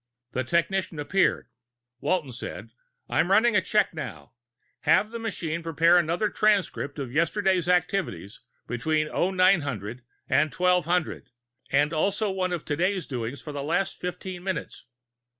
The technician appeared. Walton said, "I'm running a check now. Have the machine prepare another transcript of yesterday's activities between 0900 and 1200, and also one of today's doings for the last fifteen minutes."